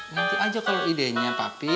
nanti aja kalau idenya papi